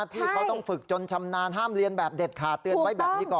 ที่เขาต้องฝึกจนชำนาญห้ามเรียนแบบเด็ดขาดเตือนไว้แบบนี้ก่อน